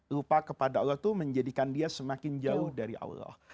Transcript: lupa kepada allah itu menjadikan dia semakin jauh dari allah